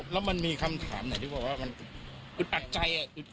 แล้วมันมีคำถามไหนที่บอกว่ามันอึดอัดใจ